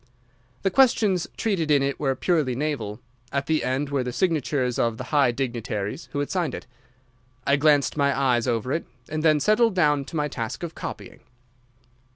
The questions treated in it were purely naval. At the end were the signatures of the high dignitaries who had signed it. I glanced my eyes over it, and then settled down to my task of copying.